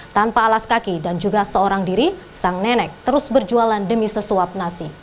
tanpa alas kaki dan juga seorang diri sang nenek terus berjualan demi sesuap nasi